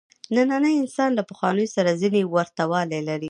نننی انسان له پخوانیو سره ځینې ورته والي لري.